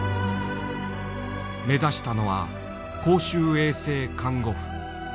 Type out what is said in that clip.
目指したのは公衆衛生看護婦。